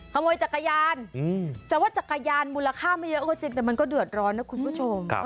ขโมยจักรยานแต่ว่าจักรยานมูลค่าไม่เยอะก็จริงแต่มันก็เดือดร้อนนะคุณผู้ชม